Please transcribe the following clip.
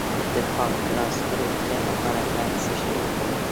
د پانکراس د روغتیا لپاره باید څه شی وخورم؟